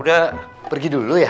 udah pergi dulu ya